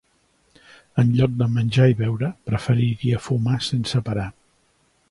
En lloc de menjar i beure, preferia fumar sense parar.